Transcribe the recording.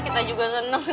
kita juga seneng tante